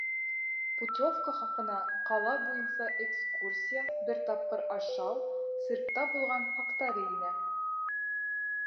Путевка хаҡына ҡала буйынса экскурсия, бер тапҡыр ашау, циркта булыу хаҡтары инә.